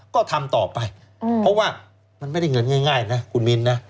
ก็ทำต่อไปเพราะว่ามันไม่ได้เงินง่ายนะคุณมิ้นนะ